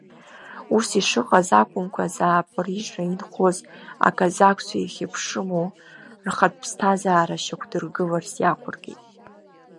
Ус ишыҟаз акәымкәа, Запорожиа инхоз аказакцәа ихьыԥшыму рхатә ԥсҭазаара шьақәдыргыларц иақәыркит.